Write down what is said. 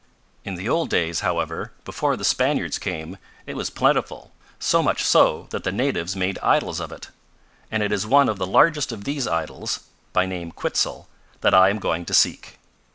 "In the old days, however, before the Spaniards came, it was plentiful, so much, so that the natives made idols of it. And it is one of the largest of these idols by name Quitzel that I am going to seek."